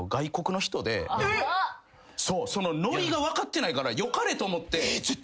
ノリが分かってないから良かれと思って。